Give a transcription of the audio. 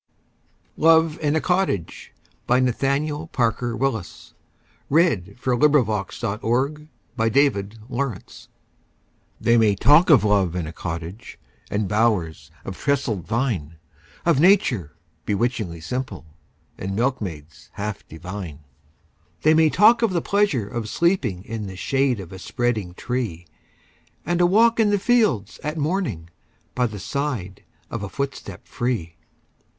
p, let Him Have praises for the well completed year. Nathaniel Parker Willis Love in a Cottage THEY may talk of love in a cottage And bowers of trellised vine Of nature bewitchingly simple, And milkmaids half divine; They may talk of the pleasure of sleeping In the shade of a spreading tree, And a walk in the fields at morning, By the side of a footstep free!